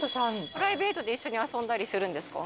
プライベートで一緒に遊んだりするんですか？